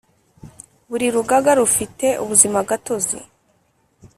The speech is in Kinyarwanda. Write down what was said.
Buri rugaga rufite ubuzimagatozi